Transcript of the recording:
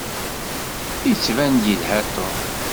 Yettban-d yelha Tom.